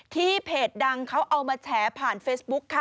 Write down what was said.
เพจดังเขาเอามาแฉผ่านเฟซบุ๊คค่ะ